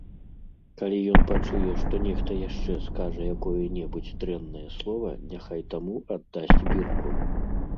Калі ён пачуе, што нехта яшчэ скажа якое-небудзь дрэннае слова, няхай таму аддасць бірку.